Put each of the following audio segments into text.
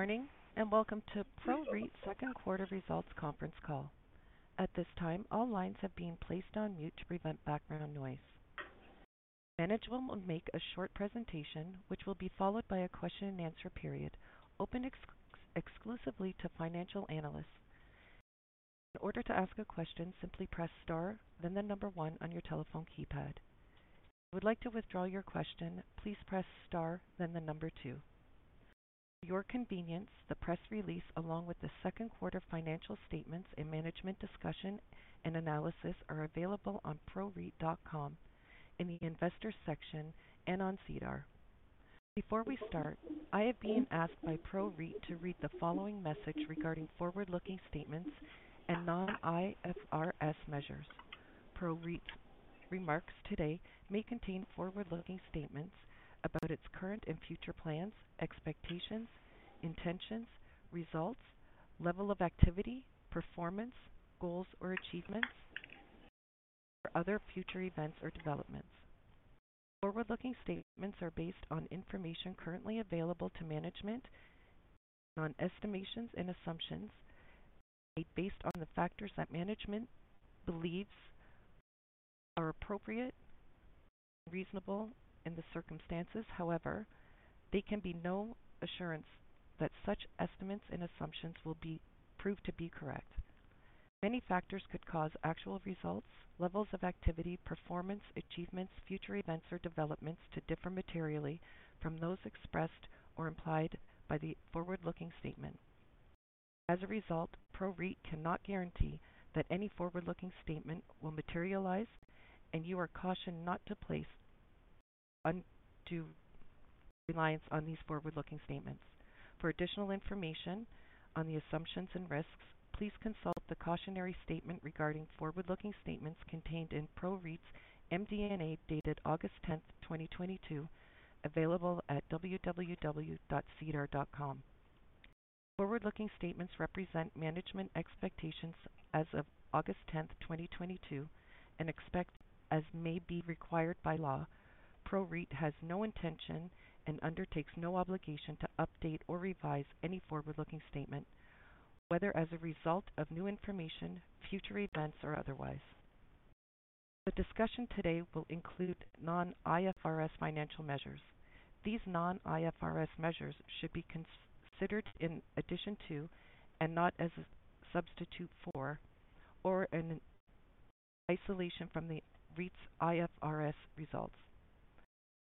Good morning, and welcome to PROREIT Second Quarter Results Conference Call. At this time, all lines have been placed on mute to prevent background noise. Management will make a short presentation, which will be followed by a question-and-answer period, open exclusively to financial analysts. In order to ask a question, simply press star then the number one on your telephone keypad. If you would like to withdraw your question, please press star then the number two. For your convenience, the press release, along with the second quarter financial statements and Management's Discussion and Analysis, are available on PROREIT.com in the investor section and on SEDAR. Before we start, I have been asked by PROREIT to read the following message regarding forward-looking statements and non-IFRS measures. PROREIT's remarks today may contain forward-looking statements about its current and future plans, expectations, intentions, results, level of activity, performance, goals or achievements or other future events or developments. Forward-looking statements are based on information currently available to management, on estimations and assumptions made based on the factors that management believes are appropriate and reasonable in the circumstances. However, there can be no assurance that such estimates and assumptions will be proved to be correct. Many factors could cause actual results, levels of activity, performance, achievements, future events or developments to differ materially from those expressed or implied by the forward-looking statement. As a result, PROREIT cannot guarantee that any forward-looking statement will materialize, and you are cautioned not to place undue reliance on these forward-looking statements. For additional information on the assumptions and risks, please consult the cautionary statement regarding forward-looking statements contained in PROREIT's MD&A dated August 10, 2022, available at www.sedar.com. Forward-looking statements represent management expectations as of August 10, 2022, and except as may be required by law, PROREIT has no intention and undertakes no obligation to update or revise any forward-looking statement, whether as a result of new information, future events, or otherwise. The discussion today will include non-IFRS financial measures. These non-IFRS measures should be considered in addition to, and not as a substitute for, or in isolation from the REIT's IFRS results.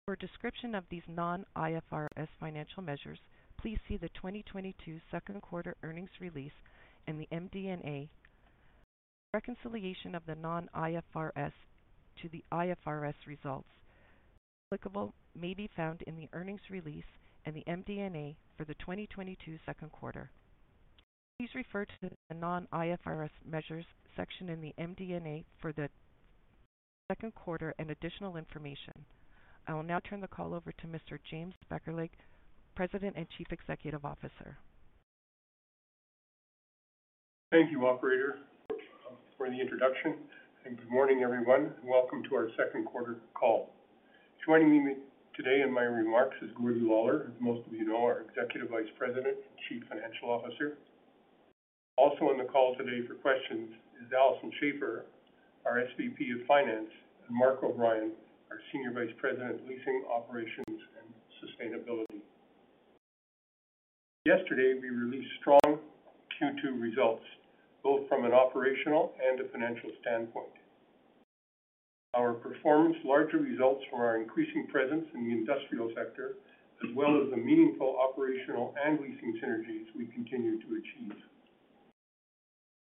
For a description of these non-IFRS financial measures, please see the 2022 second quarter earnings release and the MD&A. Reconciliation of the non-IFRS to the IFRS results, where applicable, may be found in the earnings release and the MD&A for the 2022 second quarter. Please refer to the non-IFRS measures section in the MD&A for the second quarter and additional information. I will now turn the call over to Mr. James Beckerleg, President and Chief Executive Officer. Thank you, operator, for the introduction, and good morning, everyone. Welcome to our second quarter call. Joining me today in my remarks is Gordon Lawlor, as most of you know, our Executive Vice President and Chief Financial Officer. Also on the call today for questions is Alison Schafer, our SVP of Finance, and Mark O'Brien, our Senior Vice President of Leasing, Operations and Sustainability. Yesterday, we released strong Q2 results, both from an operational and a financial standpoint. Our performance largely results from our increasing presence in the industrial sector, as well as the meaningful operational and leasing synergies we continue to achieve.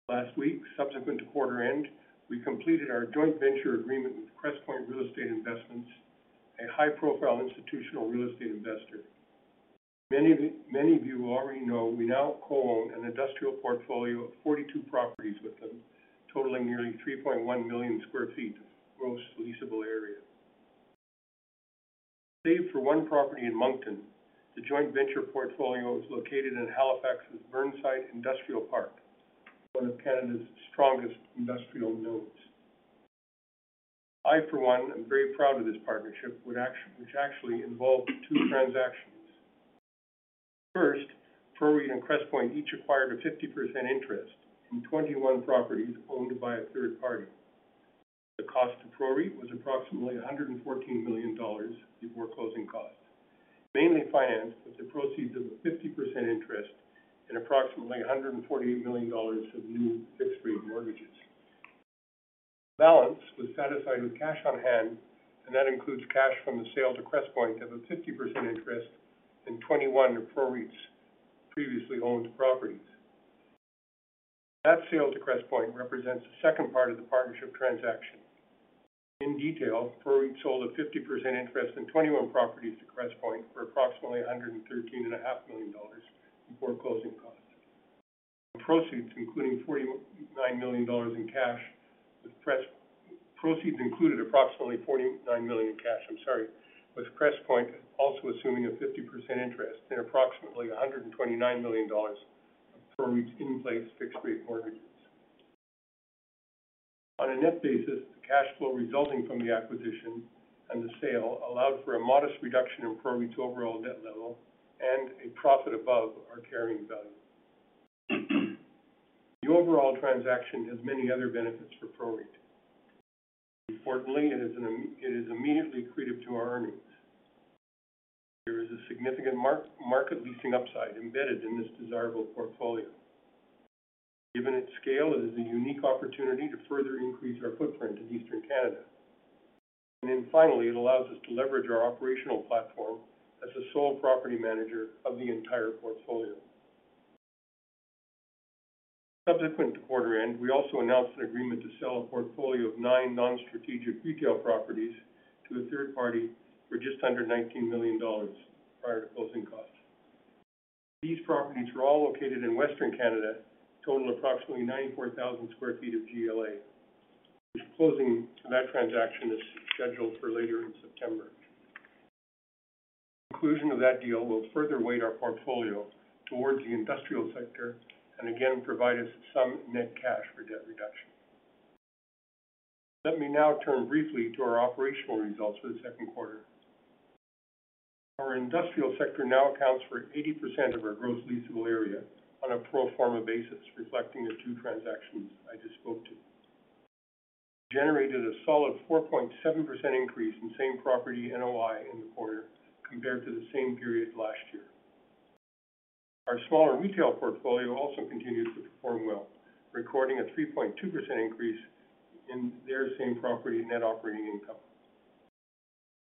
Last week, subsequent to quarter end, we completed our joint venture agreement with Crestpoint Real Estate Investments, a high-profile institutional real estate investor. Many of you already know we now co-own an industrial portfolio of 42 properties with them, totaling nearly 3.1 million sq ft of gross leasable area. Save for one property in Moncton, the joint venture portfolio is located in Halifax Burnside Industrial Park, one of Canada's strongest industrial nodes. I, for one, am very proud of this partnership which actually involved two transactions. First, PROREIT and Crestpoint each acquired a 50% interest in 21 properties owned by a third party. The cost to PROREIT was approximately 114 million dollars before closing costs, mainly financed with the proceeds of a 50% interest in approximately 148 million dollars of new fixed-rate mortgages. The balance was satisfied with cash on hand, and that includes cash from the sale to Crestpoint of a 50% interest in 21 of PROREIT's previously owned properties. That sale to Crestpoint represents the second part of the partnership transaction. In detail, PROREIT sold a 50% interest in 21 properties to Crestpoint for approximately 113.5 million dollars before closing costs. The proceeds included approximately 49 million in cash, I'm sorry, with Crestpoint also assuming a 50% interest in approximately 129 million dollars of PROREIT's in-place fixed-rate mortgages. On a net basis, the cash flow resulting from the acquisition and the sale allowed for a modest reduction in PROREIT's overall debt level and a profit above our carrying value. The overall transaction has many other benefits for PROREIT. Importantly, it is immediately accretive to our earnings. There is a significant mark-to-market leasing upside embedded in this desirable portfolio. Given its scale, it is a unique opportunity to further increase our footprint in Eastern Canada. Finally, it allows us to leverage our operational platform as the sole property manager of the entire portfolio. Subsequent to quarter end, we also announced an agreement to sell a portfolio of nine non-strategic retail properties to a third party for just under 19 million dollars, prior to closing costs. These properties were all located in Western Canada, totaling approximately 94,000 sq ft of GLA, with closing of that transaction scheduled for later in September. Conclusion of that deal will further weight our portfolio towards the industrial sector and again provide us some net cash for debt reduction. Let me now turn briefly to our operational results for the second quarter. Our industrial sector now accounts for 80% of our gross leasable area on a pro forma basis, reflecting the two transactions I just spoke to. Generated a solid 4.7% increase in Same Property NOI in the quarter compared to the same period last year. Our smaller retail portfolio also continues to perform well, recording a 3.2% increase in their Same Property Net Operating Income.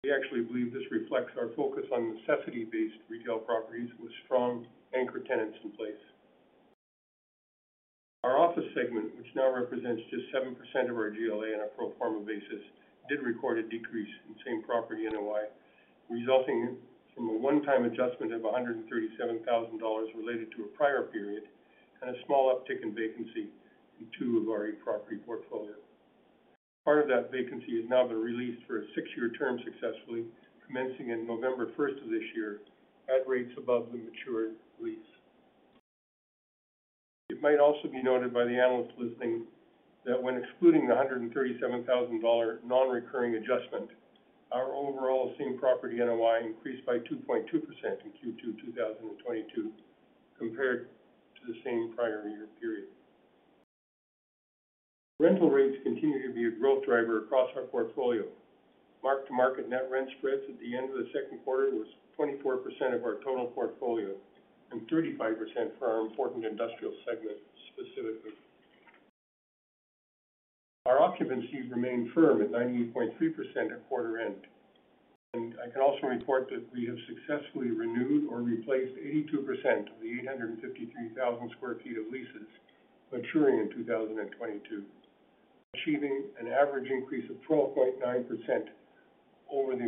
We actually believe this reflects our focus on necessity-based retail properties with strong anchor tenants in place. Our office segment, which now represents just 7% of our GLA on a pro forma basis, did record a decrease in Same Property NOI, resulting from a one-time adjustment of 137,000 dollars related to a prior period and a small uptick in vacancy in two of our property portfolio. Part of that vacancy has now been re-leased for a 6-year term successfully, commencing in November 1st of this year at rates above the matured lease. It might also be noted by the analysts listening that when excluding the 137,000 dollar non-recurring adjustment, our overall Same Property NOI increased by 2.2% in Q2 2022 compared to the same prior year period. Rental rates continue to be a growth driver across our portfolio. Mark-to-market net rent spreads at the end of the second quarter was 24% of our total portfolio and 35% for our important industrial segment specifically. Our occupancies remain firm at 98.3% at quarter end, and I can also report that we have successfully renewed or replaced 82% of the 853,000 sq ft of leases maturing in 2022, achieving an average increase of 12.9% over the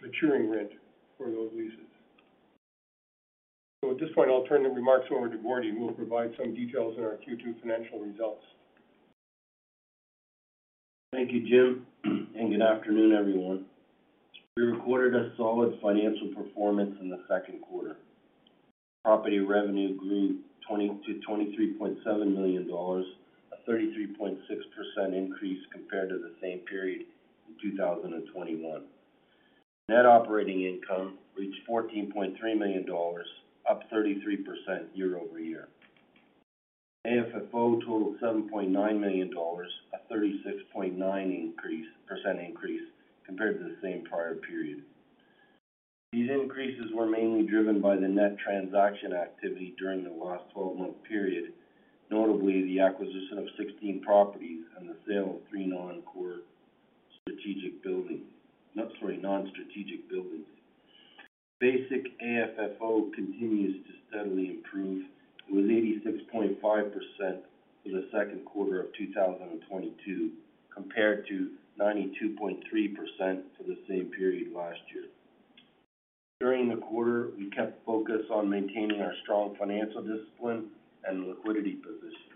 maturing rent for those leases. At this point, I'll turn the remarks over to Gordie, who will provide some details on our Q2 financial results. Thank you, Jim, and good afternoon, everyone. We recorded a solid financial performance in the second quarter. Property revenue grew to 23.7 million dollars, a 33.6% increase compared to the same period in 2021. Net operating income reached 14.3 million dollars, up 33% year-over-year. AFFO totaled 7.9 million dollars, a 36.9% increase compared to the same prior period. These increases were mainly driven by the net transaction activity during the last 12-month period, notably the acquisition of 16 properties and the sale of three non-strategic buildings. Basic AFFO continues to steadily improve, with 86.5% for the second quarter of 2022 compared to 92.3% for the same period last year. During the quarter, we kept focus on maintaining our strong financial discipline and liquidity position.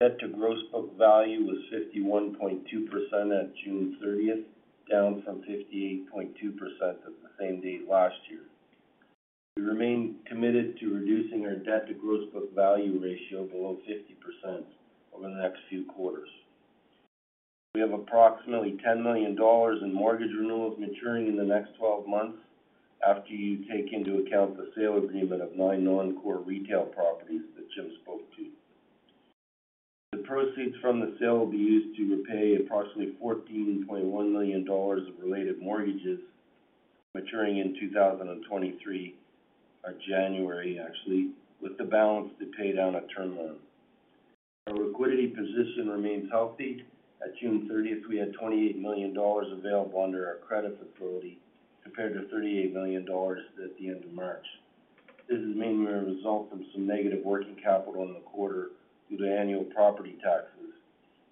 Debt to Gross Book Value was 51.2% at June thirtieth, down from 58.2% at the same date last year. We remain committed to reducing our Debt to Gross Book Value ratio below 50% over the next few quarters. We have approximately 10 million dollars in mortgage renewals maturing in the next 12 months after you take into account the sale agreement of nine non-core retail properties that Jim spoke to. The proceeds from the sale will be used to repay approximately 14.1 million dollars of related mortgages maturing in 2023, or January actually, with the balance to pay down a term loan. Our liquidity position remains healthy. At June 30th, we had 28 million dollars available under our credit facility, compared to 38 million dollars at the end of March. This is mainly a result from some negative working capital in the quarter due to annual property taxes,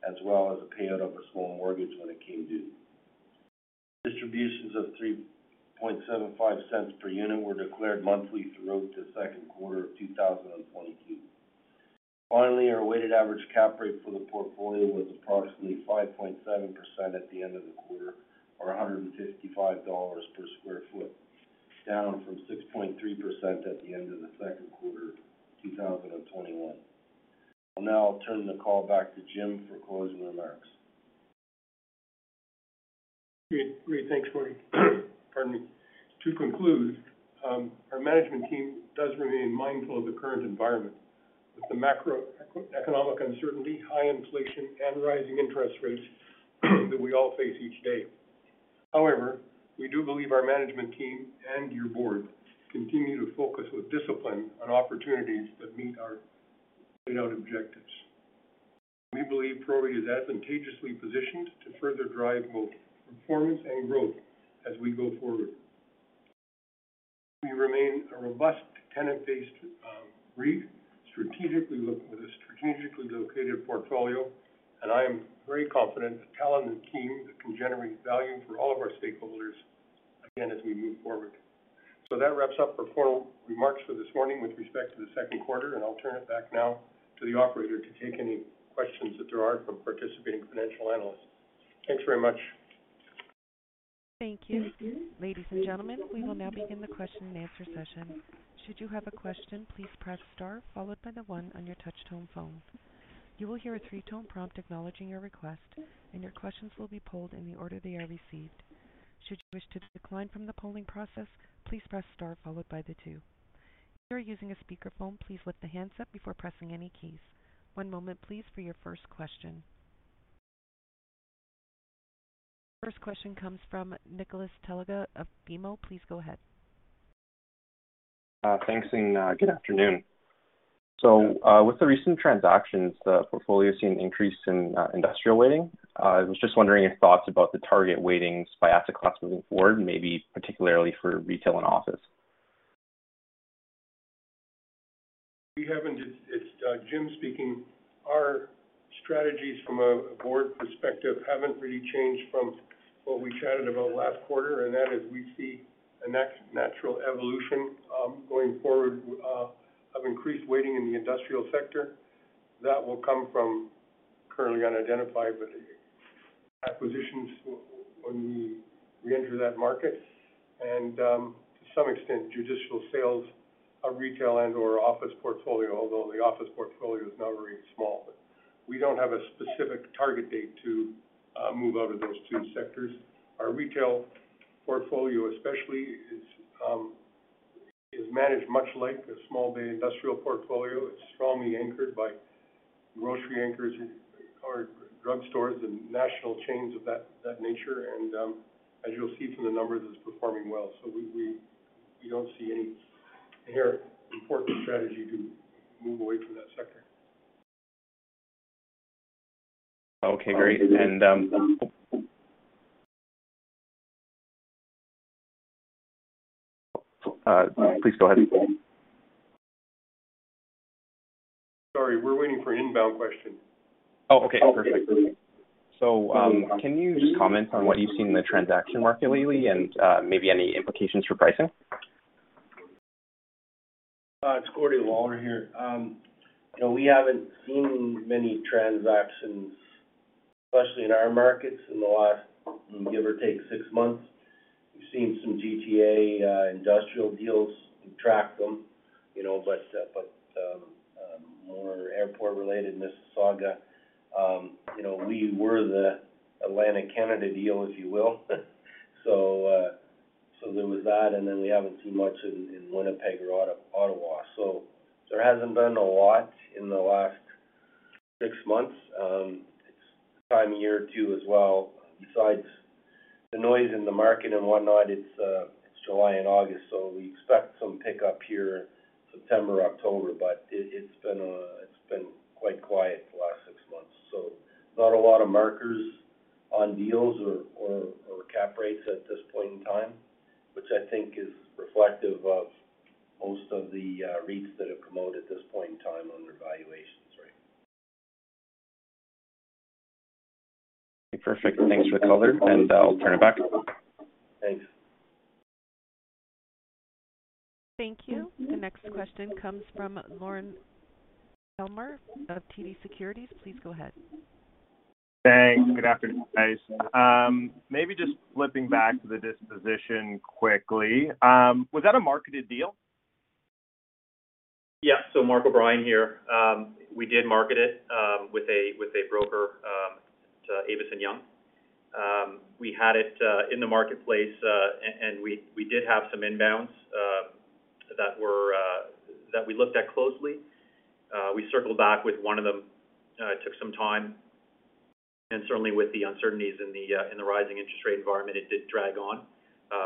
as well as a payout of a small mortgage when it came due. Distributions of 0.0375 per unit were declared monthly throughout the second quarter of 2022. Finally, our weighted average cap rate for the portfolio was approximately 5.7% at the end of the quarter or 155 dollars per sq ft, down from 6.3% at the end of the second quarter 2021. I'll now turn the call back to Jim for closing remarks. Great. Thanks, Gordon. Pardon me. To conclude, our management team does remain mindful of the current environment with the macroeconomic uncertainty, high inflation, and rising interest rates that we all face each day. However, we do believe our management team and your board continue to focus with discipline on opportunities that meet our laid out objectives. We believe PROREIT is advantageously positioned to further drive both performance and growth as we go forward. We remain a robust tenant-based REIT, strategically located portfolio. I am very confident the talented team that can generate value for all of our stakeholders again as we move forward. That wraps up the formal remarks for this morning with respect to the second quarter, and I'll turn it back now to the operator to take any questions that there are from participating financial analysts. Thanks very much. Thank you. Ladies and gentlemen, we will now begin the question and answer session. Should you have a question, please press star followed by the one on your touch tone phone. You will hear a three-tone prompt acknowledging your request, and your questions will be polled in the order they are received. Should you wish to decline from the polling process, please press star followed by the two. If you are using a speakerphone, please lift the handset before pressing any keys. One moment please for your first question. First question comes from Nicholas Teliga of BMO. Please go ahead. Thanks and good afternoon. With the recent transactions, the portfolio has seen an increase in industrial weighting. I was just wondering your thoughts about the target weightings by asset class moving forward, maybe particularly for retail and office? It's Jim speaking. Our strategies from a board perspective haven't really changed from what we chatted about last quarter. That is we see a natural evolution going forward of increased weighting in the industrial sector. That will come from currently unidentified but acquisitions when we re-enter that market and to some extent judicial sales of retail and/or office portfolio although the office portfolio is now very small. We don't have a specific target date to move out of those two sectors. Our retail portfolio especially is managed much like a small bay industrial portfolio. It's strongly anchored by grocery anchors or drug stores and national chains of that nature. As you'll see from the numbers, it's performing well. We don't see any inherent important strategy to move away from that sector. Okay, great. Please go ahead. Sorry, we're waiting for inbound questions. Oh, okay. Perfect. Can you just comment on what you see in the transaction market lately and, maybe any implications for pricing? It's Gordon Lawlor here. You know, we haven't seen many transactions, especially in our markets in the last, give or take, six months. We've seen some GTA industrial deals. We track them, you know, but more airport-related Mississauga, you know, we were the Atlantic Canada deal, if you will. There was that, and then we haven't seen much in Winnipeg or Ottawa. There hasn't been a lot in the last six months. It's that time of year too as well. Besides the noise in the market and whatnot, it's July and August, so we expect some pickup here September, October. It's been quite quiet for the last six months, so not a lot of markers on deals or cap rates at this point in time, which I think is reflective of most of the REITs that have come out at this point in time on their valuations. Right. Perfect. Thanks for the color, and I'll turn it back. Thanks. Thank you. The next question comes from Lorne Kalmar of TD Securities. Please go ahead. Thanks. Good afternoon, guys. Maybe just flipping back to the disposition quickly. Was that a marketed deal? Yeah. Mark O'Brien here. We did market it with a broker to Avison Young. We had it in the marketplace, and we did have some inbounds that we looked at closely. We circled back with one of them. It took some time. Certainly with the uncertainties in the rising interest rate environment, it did drag on.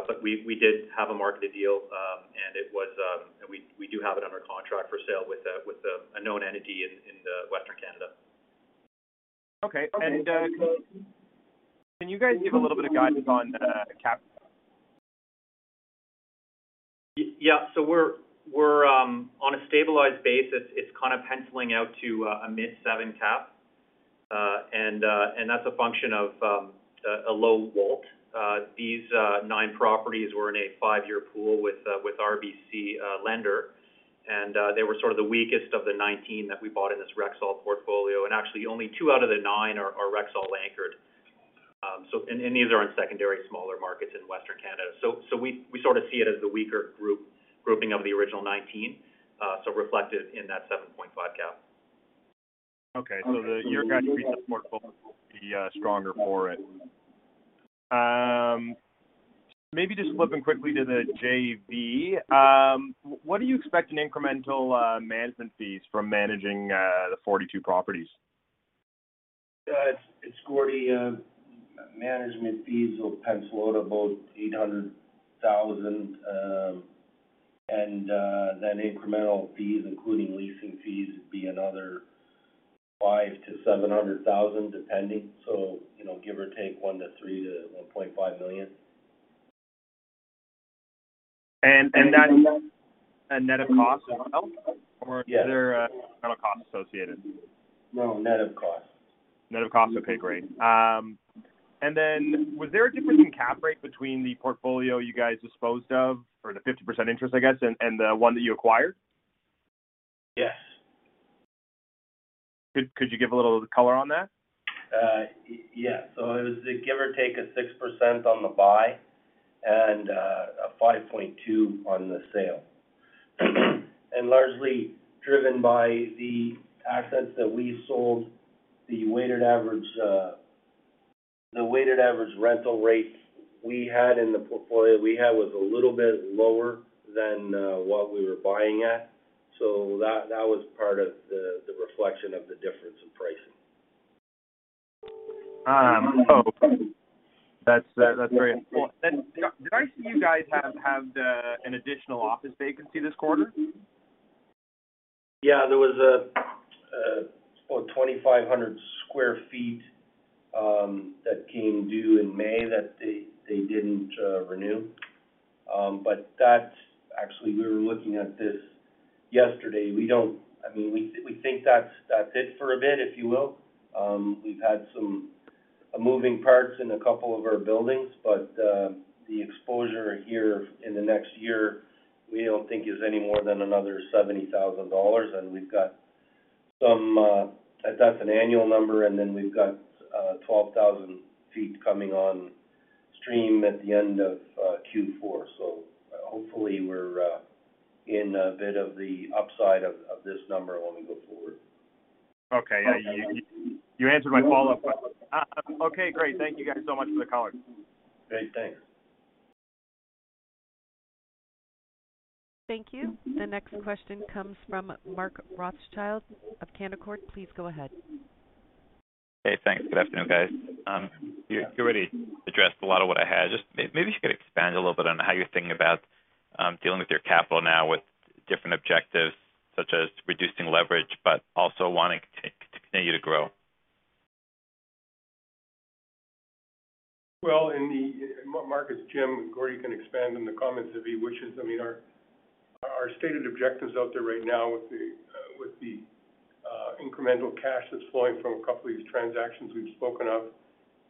But we did have a marketed deal, and it was. We do have it under contract for sale with a known entity in Western Canada. Okay. Can you guys give a little bit of guidance on cap? Yeah. We're on a stabilized basis. It's kind of penciling out to a mid-seven cap. That's a function of a low WALT. These nine properties were in a five-year pool with RBC lender. They were sort of the weakest of the 19 that we bought in this Rexall portfolio, and actually only two out of the nine are Rexall anchored. These are in secondary smaller markets in Western Canada. We sort of see it as the weaker grouping of the original 19, so reflected in that 7.5 cap. Okay. The year portfolio be stronger for it. Maybe just flipping quickly to the JV. What do you expect in incremental management fees from managing the 42 properties? It's Gordie. Management fees will pencil out about 800 thousand. Then incremental fees, including leasing fees, would be another 500 thousand-700 thousand, depending. You know, give or take 1.3 million-1.5 million. That's a net of cost as well? Yes. Are there, net of costs associated? No, net of cost. Net of cost. Okay, great. Was there a difference in cap rate between the portfolio you guys disposed of for the 50% interest, I guess, and the one that you acquired? Yes. Could you give a little color on that? Yes. It was give or take a 6% on the buy and a 5.2% on the sale. Largely driven by the assets that we sold. The weighted average rental rate we had in the portfolio we had was a little bit lower than what we were buying at. That was part of the reflection of the difference in pricing. That's very important. Did I see you guys have an additional office vacancy this quarter? Yeah. There was about 2,500 sq ft that came due in May that they didn't renew. Actually, we were looking at this yesterday. I mean, we think that's it for a bit, if you will. We've had some moving parts in a couple of our buildings, but the exposure here in the next year we don't think is any more than another 70,000 dollars. That's an annual number, and then we've got 12,000 sq ft coming on stream at the end of Q4. Hopefully we're in a bit of the upside of this number when we go forward. Okay. Yeah. You answered my follow-up. Okay. Great. Thank you guys so much for the color. Great. Thanks. Thank you. The next question comes from Mark Rothschild of Canaccord. Please go ahead. Hey, thanks. Good afternoon, guys. You already addressed a lot of what I had. Just maybe you could expand a little bit on how you're thinking about dealing with your capital now with different objectives such as reducing leverage but also wanting to continue to grow. Mark, it's Jim. Gordie can expand on the comments if he wishes. I mean, our stated objective's out there right now with the incremental cash that's flowing from a couple of these transactions we've spoken of,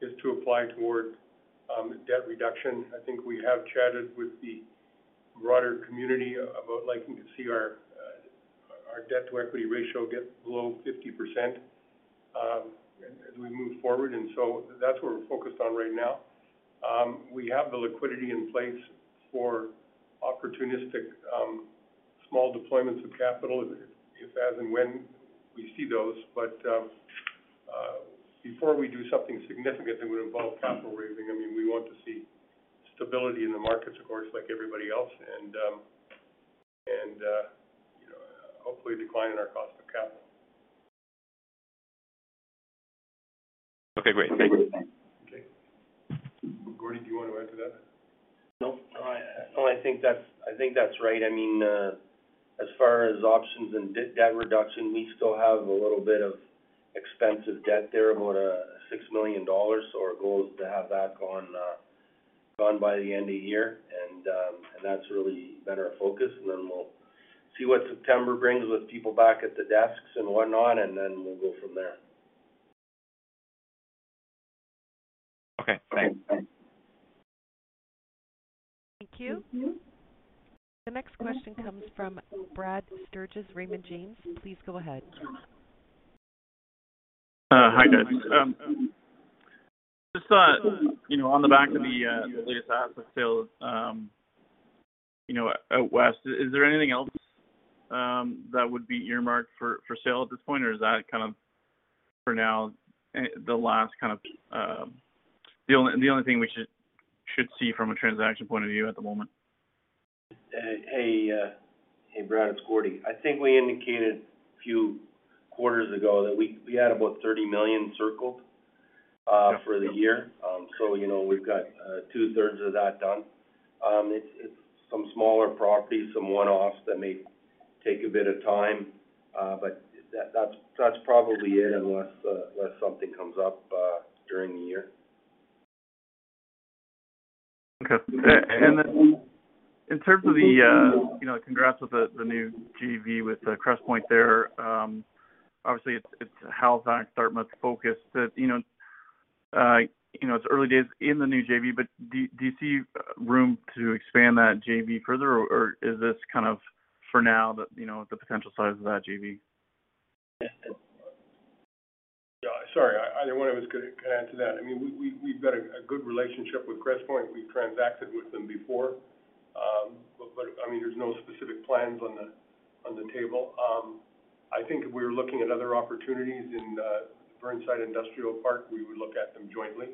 is to apply towards debt reduction. I think we have chatted with the broader community about liking to see our debt to equity ratio get below 50%, as we move forward, and so that's what we're focused on right now. We have the liquidity in place for opportunistic small deployments of capital if, as and when we see those. before we do something significant that would involve capital raising, I mean, we want to see stability in the markets, of course, like everybody else and you know, hopefully a decline in our cost of capital. Okay, great. Thank you. Okay. Gordie, do you want to add to that? No, I think that's right. I mean, as far as options and debt reduction, we still have a little bit of expensive debt there, about 6 million dollars, so our goal is to have that gone by the end of year. That's really been our focus, and then we'll see what September brings with people back at the desks and whatnot, and then we'll go from there. Okay. Great. Thank you. The next question comes from Brad Sturges, Raymond James. Please go ahead. Hi, guys. Just, you know, on the back of the latest asset sale, you know, out west, is there anything else that would be earmarked for sale at this point, or is that kind of for now the last kind of the only thing we should see from a transaction point of view at the moment? Hey, Brad, it's Gordie. I think we indicated a few quarters ago that we had about 30 million circled for the year. You know, we've got two-thirds of that done. It's some smaller properties, some one-offs that may take a bit of time, but that's probably it unless something comes up during the year. Okay. In terms of the, you know, congrats with the new JV with Crestpoint there. Obviously it's how's the Dartmouth focus. That you know, it's early days in the new JV, but do you see room to expand that JV further? Or is this kind of for now the, you know, the potential size of that JV? Yeah. Sorry, either one of us could add to that. I mean, we've got a good relationship with Crestpoint. We've transacted with them before. I mean, there's no specific plans on the table. I think if we were looking at other opportunities in Burnside Industrial Park, we would look at them jointly.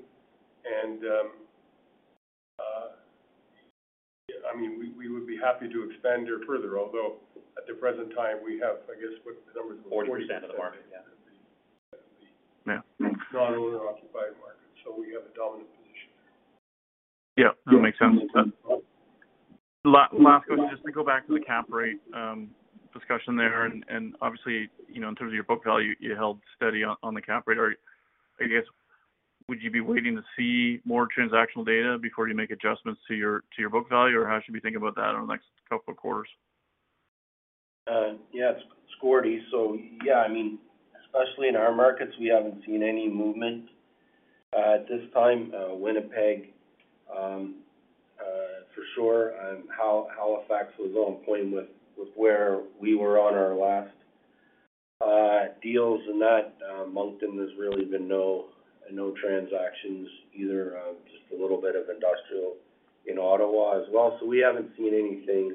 I mean, we would be happy to expand there further, although at the present time we have, I guess, what the numbers were. 40% of the market, yeah. 40% of the non-owner occupied market. We have a dominant position there. Yeah. No, makes sense. Lastly, just to go back to the cap rate discussion there and obviously, you know, in terms of your book value, you held steady on the cap rate. Or I guess, would you be waiting to see more transactional data before you make adjustments to your book value? Or how should we think about that over the next couple of quarters? Yes, it's Gordie. Yeah, I mean, especially in our markets, we haven't seen any movement at this time. Winnipeg, for sure, and Halifax was on point with where we were on our last deals and that. Moncton there's really been no transactions either. Just a little bit of industrial in Ottawa as well. We haven't seen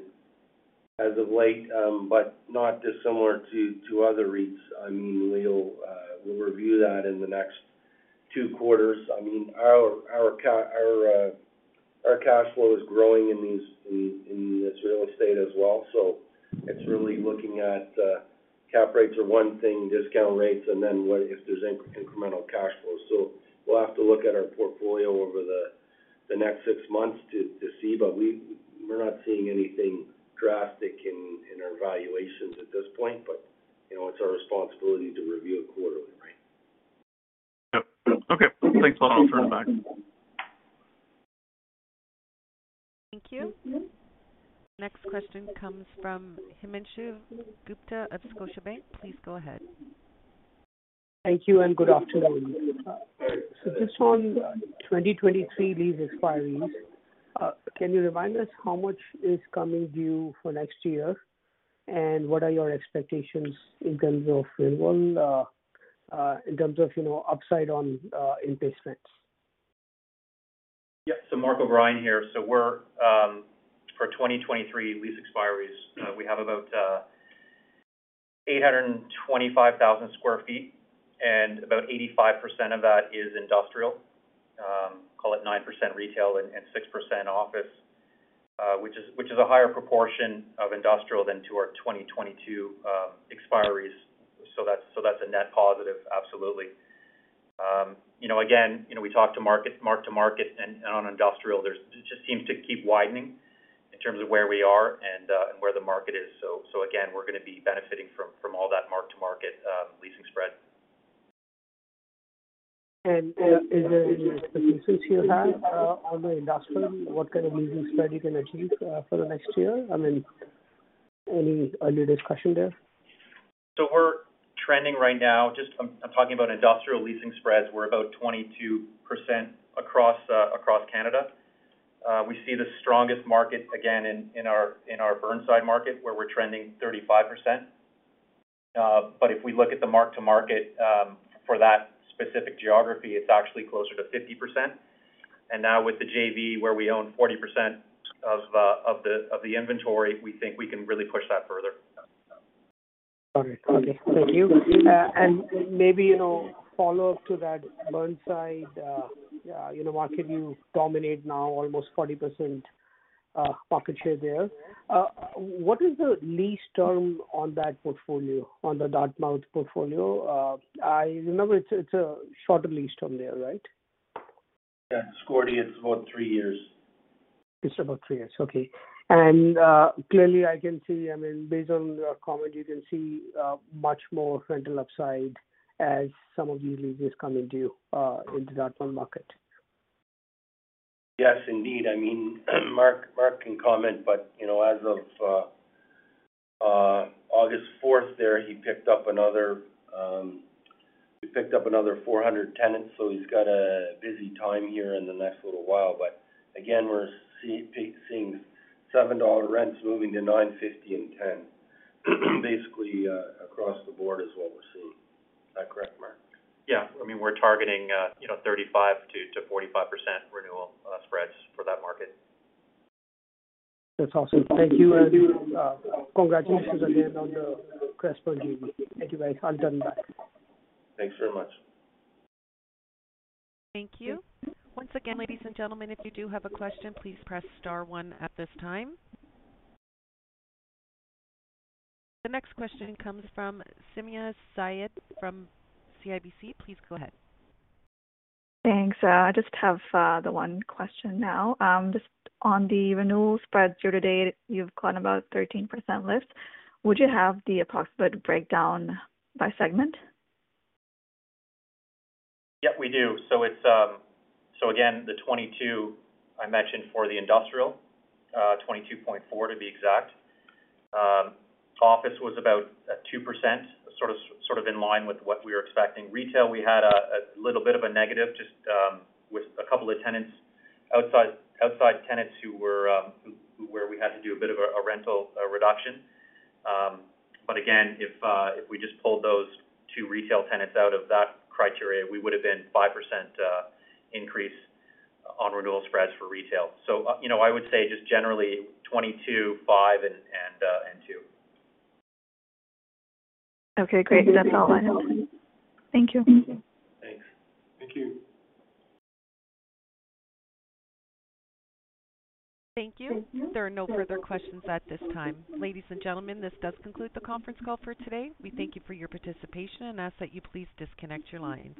anything as of late, but not dissimilar to other REITs. I mean, we'll review that in the next two quarters. I mean, our cash flow is growing in this real estate as well. It's really looking at cap rates are one thing, discount rates, and then what if there's incremental cash flows. We'll have to look at our portfolio over the next six months to see. We're not seeing anything drastic in our valuations at this point. You know, it's our responsibility to review it quarterly, right? Yep. Okay. Thanks a lot. I'll turn it back. Thank you. Next question comes from Himanshu Gupta of Scotiabank. Please go ahead. Thank you and good afternoon. Just on 2023 lease expiries, can you remind us how much is coming due for next year? What are your expectations in terms of renewal and in terms of, you know, upside on in placements? Yeah. Mark O'Brien here. We're for 2023 lease expiries. We have about 825,000 sq ft, and about 85% of that is industrial. Call it 9% retail and 6% office, which is a higher proportion of industrial than our 2022 expiries. That's a net positive, absolutely. You know, again, you know, we talk to market, mark-to-market and on industrial there's. It just seems to keep widening in terms of where we are and where the market is. Again, we're gonna be benefiting from all that mark-to-market leasing spread. Is there any specific suites you have on the industrial? What kind of leasing spread you can achieve for the next year? I mean, any early discussion there? We're trending right now, I'm talking about industrial leasing spreads. We're about 22% across Canada. We see the strongest market again in our Burnside market where we're trending 35%. If we look at the mark-to-market for that specific geography, it's actually closer to 50%. Now with the JV where we own 40% of the inventory, we think we can really push that further. Got it. Okay. Thank you. Maybe, you know, follow up to that Burnside, you know, market you dominate now, almost 40%, market share there. What is the lease term on that portfolio, on the Dartmouth portfolio? I remember it's a shorter lease term there, right? Yeah. Brad Sturges, it's about three years. It's about three years. Okay. Clearly I can see, I mean, based on your comment, you can see much more rental upside as some of these leases come into that one market. Yes, indeed. I mean, Mark can comment, but you know, as of August fourth there, he picked up another 400 tenants, so he's got a busy time here in the next little while. Again, we're seeing 7 dollar rents moving to 9.50 and 10, basically, across the board is what we're seeing. Is that correct, Mark? Yeah. I mean, we're targeting, you know, 35%-45% renewal spreads for that market. That's awesome. Thank you. Congratulations again on the Crestpoint deal. Thank you, guys. I'll turn it back. Thanks very much. Thank you. Once again, ladies and gentlemen, if you do have a question, please press star one at this time. The next question comes from Sumayya Syed from CIBC. Please go ahead. Thanks. I just have the one question now. Just on the renewal spreads year to date, you've got about 13% lift. Would you have the approximate breakdown by segment? Yeah, we do. The 22 I mentioned for the industrial, 22.4 to be exact. Office was about 2%, sort of in line with what we were expecting. Retail, we had a little bit of a negative just with a couple of tenants outside tenants who were, where we had to do a bit of a rental reduction. But again, if we just pulled those two retail tenants out of that criteria, we would have been 5% increase on renewal spreads for retail. You know, I would say just generally 22, five, and two. Okay, great. That's all I had. Thank you. Thanks. Thank you. Thank you. There are no further questions at this time. Ladies and gentlemen, this does conclude the conference call for today. We thank you for your participation and ask that you please disconnect your lines.